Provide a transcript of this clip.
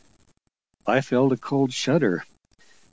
I felt a cold shudder.